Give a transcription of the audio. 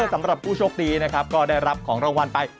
สำหรับผู้โชคดีนะครับก็ได้รับของรางวัลไป